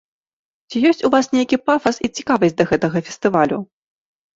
Ці ёсць у вас нейкі пафас і цікавасць да гэтага фестывалю?